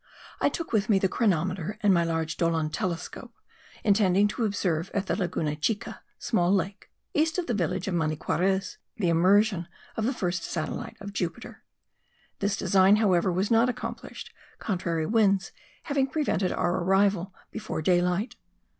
I took with me the chronometer and my large Dollond telescope, intending to observe at the Laguna Chica (Small Lake), east of the village of Maniquarez, the immersion of the first satellite of Jupiter; this design, however, was not accomplished, contrary winds having prevented our arrival before daylight.